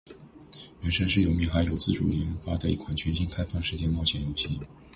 《原神》是由米哈游自主研发的一款全新开放世界冒险游戏。